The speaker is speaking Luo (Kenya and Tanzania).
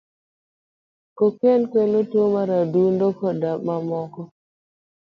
Cocaine kelo tuo mar adundo, koda mamoko.